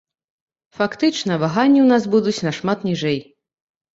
Фактычна ваганні ў нас будуць нашмат ніжэй.